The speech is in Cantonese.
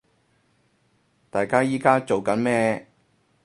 大家依家做緊咩